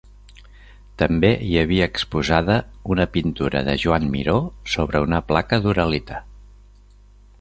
També hi havia exposada una pintura de Joan Miró sobre una placa d'Uralita.